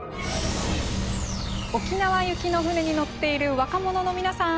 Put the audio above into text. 沖縄行きの船に乗っている若者の皆さん。